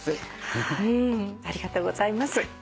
ありがとうございます。